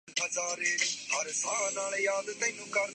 F B R اور تاجروں پر مشتمل ٹیکس سروے ٹیمیں متنازع ہو گئیں